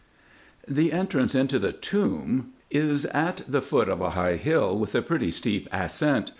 The entrance into the tomb is at the foot of a high hill, with a pretty steep ascent.